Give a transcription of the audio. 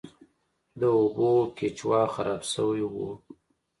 د اوبو کیچوا خراب شوی و.